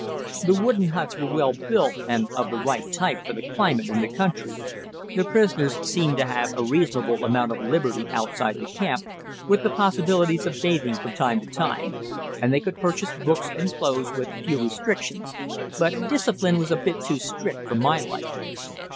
The wooden huts were well built and of the right type for the climate and the country: the prisoners seemed to have a reasonable amount of liberty outside the camp, with the possibilities of bathing from time to time, and they could purchase books and clothes with few restrictions, but discipline was a bit too strict for my liking.